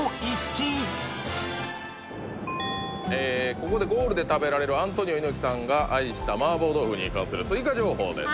ここでゴールで食べられるアントニオ猪木さんが愛した麻婆豆腐に関する追加情報です